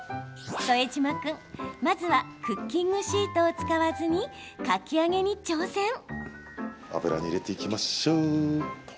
副島君、まずはクッキングシートを使わずにかき揚げに挑戦。